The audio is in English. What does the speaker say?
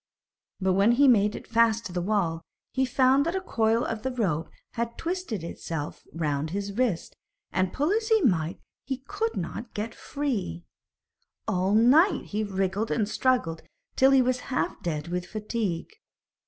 But when he had made it fast to the wall, he found that a coil of the rope had twisted itself round his wrist, and, pull as he might, he could not get free. All night he wriggled and struggled till he was half dead with fatigue.